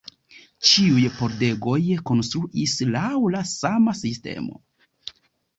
Ĉiuj pordegoj konstruis laŭ la sama sistemo.